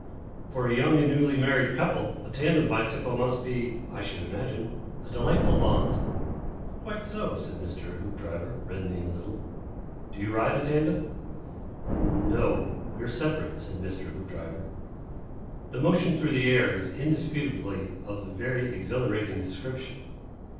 "For a young and newly married couple, a tandem bicycle must be, I should imagine, a delightful bond." "Quite so," said Mr. Hoopdriver, reddening a little. "Do you ride a tandem?" "No we're separate," said Mr. Hoopdriver. "The motion through the air is indisputably of a very exhilarating description."